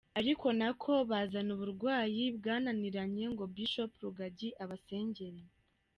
Ari nako bazana uburwayi bwananiranye ngo Bishop Rugagi Abasengere.